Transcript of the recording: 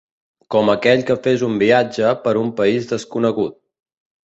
Com aquell que fes un viatge per un país desconegut.